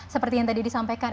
seperti yang tadi disampaikan